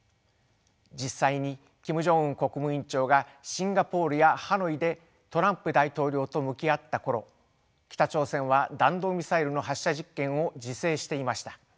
実際にキム・ジョンウン国務委員長がシンガポールやハノイでトランプ大統領と向き合った頃北朝鮮は弾道ミサイルの発射実験を自制していました。